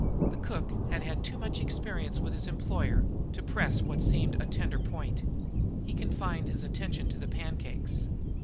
But the cook had had too much experience with his employer to press what seemed a tender point. He confined his attention to the pancakes.